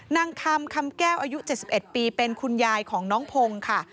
นางคำคำแก้วอายุ๗๑ปีเป็นคุณยายของน้องพงศ์ค่ะ